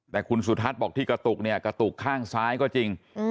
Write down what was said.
แต่คุณสุทัศน์บอกที่กระตุกเนี่ยกระตุกข้างซ้ายก็จริง